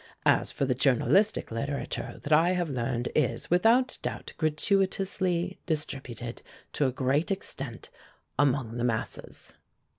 As for the journalistic literature, that I have learned is, without doubt, gratuitously distributed, to a great extent, among the masses."